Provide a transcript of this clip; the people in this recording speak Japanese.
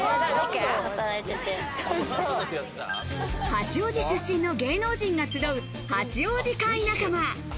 八王子出身の芸能人が集う、八王子会仲間。